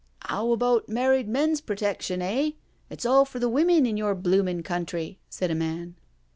" 'Ow about married men's protection, eh? It's all for the women in your bloomin' country," said a man.